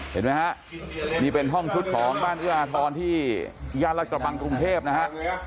เห็นไหมฮะนี่เป็นห้องชุดของบ้านเอื้ออาทรที่ย่านรัฐกระบังกรุงเทพนะฮะ